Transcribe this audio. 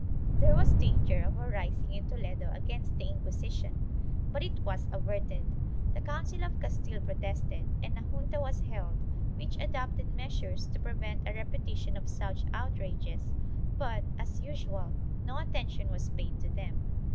There was danger of a rising in Toledo against the Inquisition, but it was averted; the Council of Castile protested and a junta was held which adopted measures to prevent a repe tition of such outrages but, as usual, no attention was paid to them.